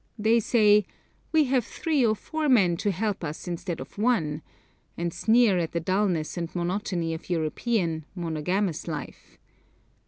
They say, 'We have three or four men to help us instead of one,' and sneer at the dulness and monotony of European, monogamous life!